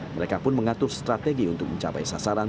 mereka pun mengatur strategi untuk mencapai sasaran